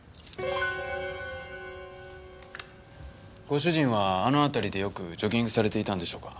ご主人はあの辺りでよくジョギングされていたんでしょうか？